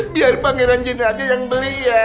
biar pangeran jin aja yang beli ya